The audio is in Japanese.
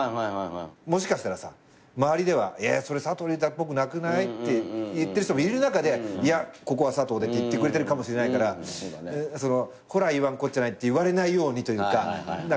もしかしたらさ周りでは「それ佐藤隆太っぽくなくない？」って言ってる人もいる中で「いやここは佐藤で」って言ってくれてるかもしれないから「ほら言わんこっちゃない」って言われないようにというか。